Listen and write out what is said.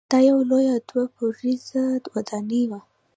دا یوه لویه دوه پوړیزه ودانۍ وه.